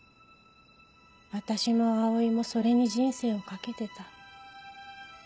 私も葵もそれに人生を懸けてた。